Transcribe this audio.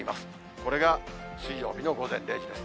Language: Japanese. これが水曜日の午前０時です。